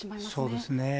そうですね。